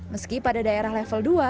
meski pada daerah level dua